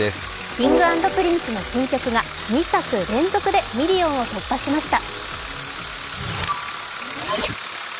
Ｋｉｎｇ＆Ｐｒｉｎｃｅの新曲が２作連続でミリオンを突破しました